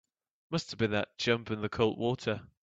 Must have been that jump in the cold water.